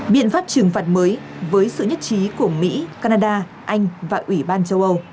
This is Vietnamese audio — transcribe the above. biện pháp trừng phạt mới với sự nhất trí của mỹ canada anh và ủy ban châu âu